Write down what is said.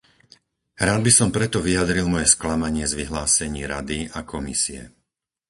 Rád by som preto vyjadril moje sklamanie z vyhlásení Rady a Komisie.